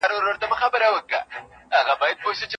انارګل په خپل اوږد لرګي سره د غره د څوکې په لور اشاره وکړه.